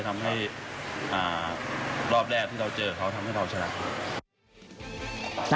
ทำให้รอบแรกที่เราเจอเขาทำให้เราชนะ